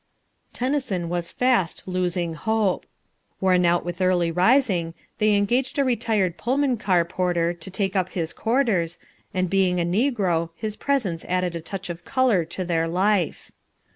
Tennyson was fast losing hope. Worn out with early rising, they engaged a retired Pullman car porter to take up his quarters, and being a negro his presence added a touch of colour to their life.